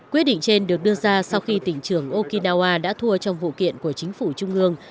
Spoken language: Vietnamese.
quyết định trên được đưa ra sau khi tỉnh trưởng okinawa đã thua trong vụ kiện của chính phủ trung ương